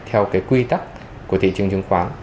theo cái quy tắc của thị trường chứng khoán